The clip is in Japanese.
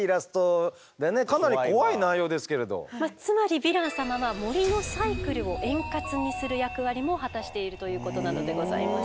つまりヴィラン様は森のサイクルを円滑にする役割も果たしているということなのでございます。